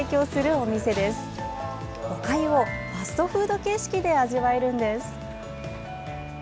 おかゆをファストフード形式で味わえるんです。